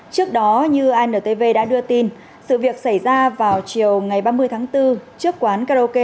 trước đó như antv đã đưa tin sự việc xảy ra vào chiều ngày ba mươi tháng bốn trước quán karaoke